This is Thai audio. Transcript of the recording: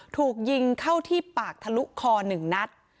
ถูกยิงเข้าที่ปากทะลุคอ๑นัด